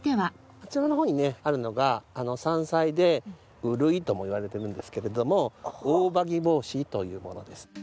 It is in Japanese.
あちらの方にねあるのが山菜でウルイともいわれてるんですけれどもオオバギボウシというものです。